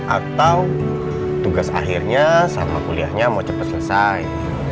atau tugas akhirnya sama kuliahnya mau cepat selesai